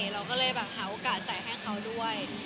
เราก็เลยหาโอกาสใส่ให้เค้าด้วย